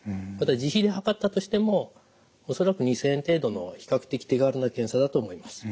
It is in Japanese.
自費で測ったとしても恐らく２，０００円程度の比較的手軽な検査だと思います。